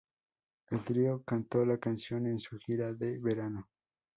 El trío cantó la canción en su gira de verano.